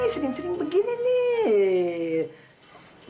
sering sering begini nih